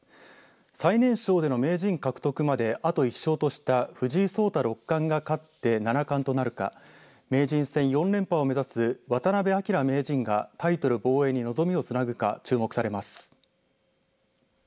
最年少での名人獲得まであと１勝とした藤井聡太六冠が勝って七冠となるか名人戦４連覇を目指す渡辺明名人がタイトル防衛に望みをつなぐか注目されます。